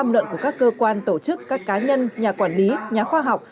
luận của các cơ quan tổ chức các cá nhân nhà quản lý nhà khoa học